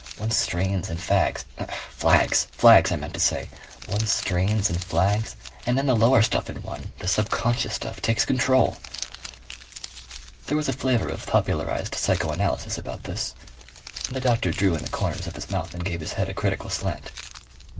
One strains and fags. FLAGS! 'Flags' I meant to say. One strains and flags and then the lower stuff in one, the subconscious stuff, takes control." There was a flavour of popularized psychoanalysis about this, and the doctor drew in the corners of his mouth and gave his head a critical slant.